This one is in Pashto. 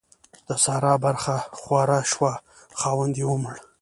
د سارا برخه خواره شوه؛ خاوند يې ومړ.